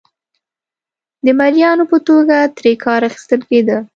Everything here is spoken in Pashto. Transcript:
د مریانو په توګه ترې کار اخیستل کېده.